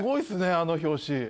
あの表紙。